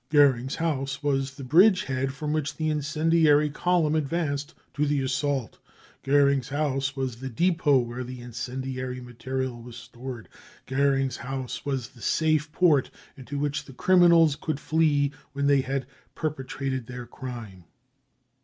Goering's house was the bridge head from which the incendiary column advanced to "the assault. Goering's house was the depot where the incendiary material was stored. Goering's house was the safe port into which the criminals could flee when they had perpetrated their crime.